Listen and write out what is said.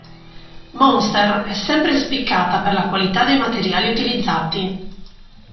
Monster è sempre spiccata per la qualità dei materiali utilizzati.